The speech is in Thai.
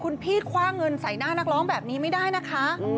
คุณพี่คว่างเงินใส่หน้านักร้องแบบนี้ไม่ได้นะคะ